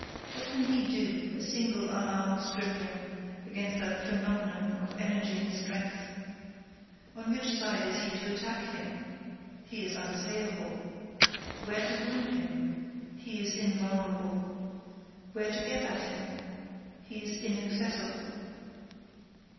What can he do, a single, unarmed stripling, against that phenomenon of energy and strength? On which side is he to attack him? He is unassailable. Where to wound him? He is invulnerable. Where to get at him? He is inaccessible.